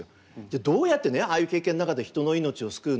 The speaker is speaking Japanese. どうやってねああいう経験の中で人のいのちを救うのか